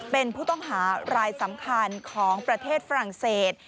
เป็นผู้ต้องหารายสำคัญของประเทศฝรั่งเศส